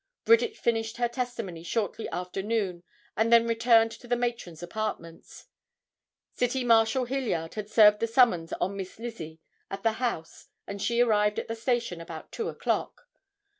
Bridget finished her testimony shortly after noon and then returned to the matron's apartments. City Marshal Hilliard had served the summons on Miss Lizzie at the house and she arrived at the station about 2 o'clock.